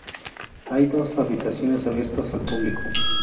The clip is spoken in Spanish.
Hoy hay dos habitaciones abiertas al público.